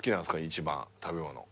一番食べ物。